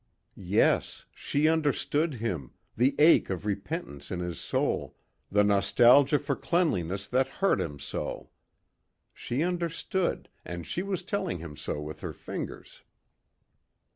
Yes, she understood him, the ache of repentance in his soul, the nostalgia for cleanliness that hurt him so. She understood and she was telling him so with her fingers.